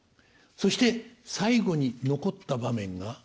そして最後に残った場面が。